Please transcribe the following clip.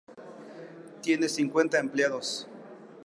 Tiene cincuenta empleados.